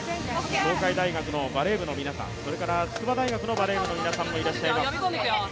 東海大学のバレー部の皆さん、それから筑波大学のバレー部の皆さんもいます。